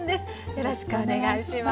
よろしくお願いします。